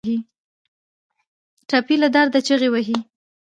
ټپي له درد چیغې وهي.